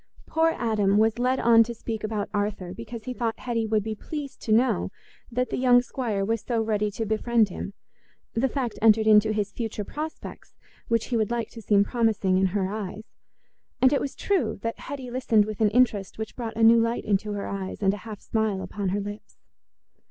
Poor Adam was led on to speak about Arthur because he thought Hetty would be pleased to know that the young squire was so ready to befriend him; the fact entered into his future prospects, which he would like to seem promising in her eyes. And it was true that Hetty listened with an interest which brought a new light into her eyes and a half smile upon her lips.